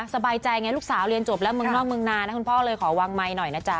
สบายใจไงลูกสาวเรียนจบแล้วเมืองนอกเมืองนานนะคุณพ่อเลยขอวางไมค์หน่อยนะจ๊